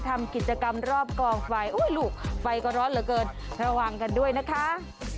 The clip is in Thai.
ทำกิจกรรมรอบกองไฟอุ้ยลูกไฟก็ร้อนเหลือเกินระวังกันด้วยนะคะ